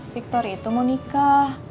victor itu mau nikah